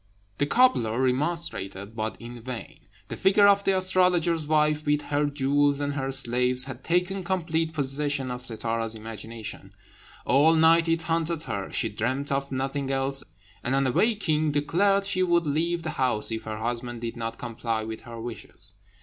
The cobbler remonstrated, but in vain. The figure of the astrologer's wife, with her jewels and her slaves, had taken complete possession of Sittâra's imagination. All night it haunted her; she dreamt of nothing else, and on awaking declared she would leave the house if her husband did not comply with her wishes.